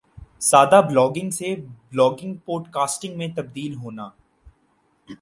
سادہ بلاگنگ سے blogging podcasting میں تبدیل ہونا